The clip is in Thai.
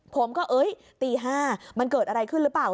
ผมก็เอ้ยตี๕มันเกิดอะไรขึ้นหรือเปล่า